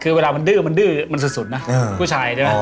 คือเวลามันดื้อมันสุดนะผู้ชาย